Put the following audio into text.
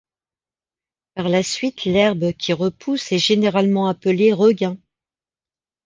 Par la suite, l'herbe qui repousse est généralement appelée regain.